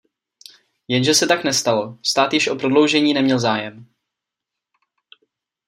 Jenže se tak nestalo, stát již o prodloužení neměl zájem.